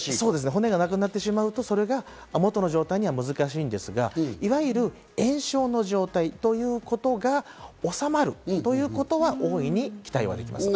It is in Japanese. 骨がなくなってしまうと、元の状態になるのは難しいんですが、いわゆる炎症の状態ということが治まるということは、大いに期待はできます。